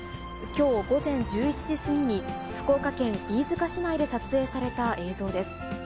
きょう午前１１時過ぎに、福岡県飯塚市内で撮影された映像です。